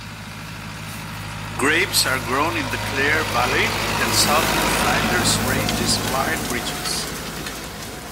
Grapes are grown in the Clare Valley and Southern Flinders Ranges wine regions.